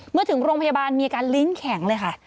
เมื่อถึงโรงพยาบาลมีอาการลิ้นแข็งเลยค่ะ